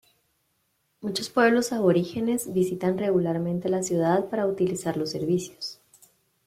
Muchos pueblos aborígenes visitan regularmente la ciudad para utilizar los servicios.